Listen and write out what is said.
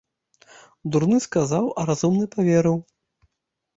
Дурны сказаў, а разумны і паверыў.